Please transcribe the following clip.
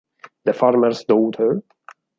The Farmer's Daughter